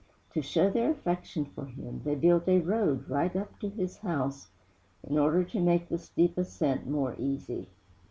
To show their affection for him, they built a road right up to his house, in order to make the steep ascent more easy.